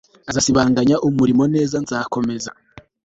azasibanganya umuriro neza nzakomeza